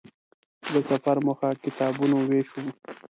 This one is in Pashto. د سفر موخه کتابونو وېش و.